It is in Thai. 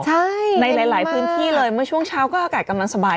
ใช่ในหลายพื้นที่เลยเมื่อช่วงเช้าก็อากาศกำลังสบาย